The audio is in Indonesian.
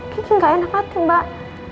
kita nggak enak hati mbak